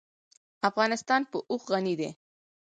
افغانستان په اوښ غني دی.